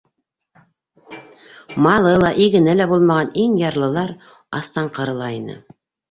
Малы ла, игене лә булмаған иң ярлылар астан ҡырыла ине.